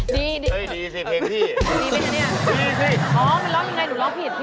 ดี